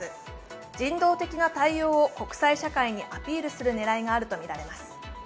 人道的な対応を国際社会にアピールする狙いがあるとみられます。